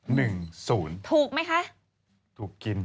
หนึ่งศูนย์ถูกไหมคะถูกกิน